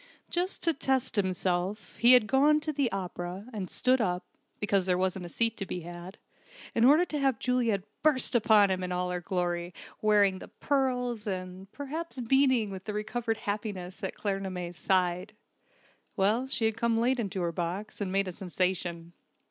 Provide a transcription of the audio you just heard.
Just to test himself he had gone to the opera, and stood up (because there wasn't a seat to be had) in order to have Juliet burst upon him in all her glory, wearing the pearls, and, perhaps, beaming with recovered happiness at Claremanagh's side. Well, she had come late into her box, and made a sensation.